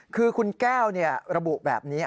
คือคุณแก้วระบุแบบนี้